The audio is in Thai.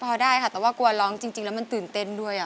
พอได้ค่ะแต่ว่ากลัวร้องจริงแล้วมันตื่นเต้นด้วย